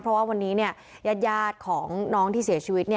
เพราะว่าวันนี้ญาติของน้องที่เสียชีวิต